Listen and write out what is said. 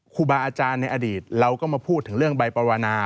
ครูบาอาจารย์ในอดีตเราก็มาพูดถึงเรื่องใบปวนา